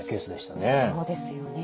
そうですよね。